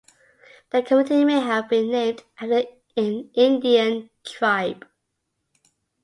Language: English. The community may have been named after an Indian tribe.